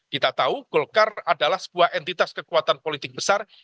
kita tahu golkar adalah sebuah entitas kekuatan politik besar